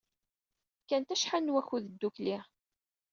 Kkant acḥal n wakud ddukkli.